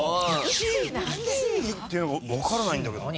１位１位っていうのわからないんだけどな。